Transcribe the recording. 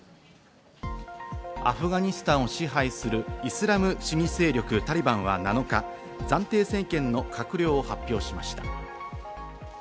アフガニスタンを支配するイスラム主義勢力・タリバンは７日、暫定政権の閣僚を発表しました。